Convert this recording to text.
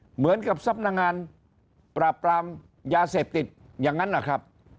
เหมือนกับสำนักงานปราบปรามยาเสพติดอย่างนั้นนะครับ